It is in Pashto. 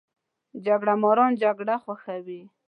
جګړه ماران جګړه خوښوي